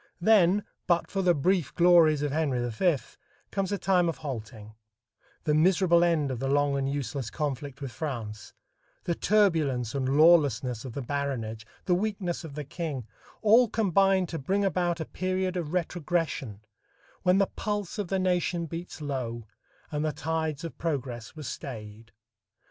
Then, but for the brief glories of Henry V, comes a time of halting the miserable end of the long and useless conflict with France, the turbulence and lawlessness of the baronage, the weakness of the king, all combine to bring about a period of retrogression, when the pulse of the nation beats low and the tides of progress were stayed.